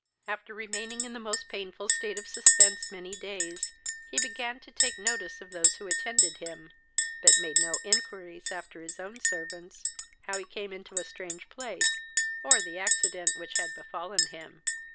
After remaining in the most painful state of suspense many days, he began to take notice of those who attended him, but made no inquiries after his own servants, how he came into a strange place, or the accident which had befallen him.